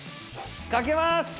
かけます！